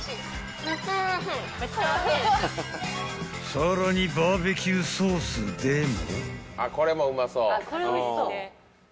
［さらにバーベキューソースでも］